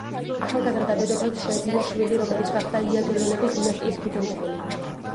ახალგაზრდა დედოფალს შეეძინა შვილი, რომელიც გახდა იაგელონების დინასტიის ფუძემდებელი.